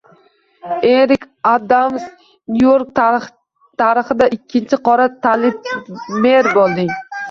Erik Adams Nyu-York tarixida ikkinchi qora tanli mer bo‘lding